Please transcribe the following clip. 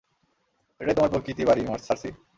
এটাই তোমার প্রকৃতি বাড়ি, সার্সি।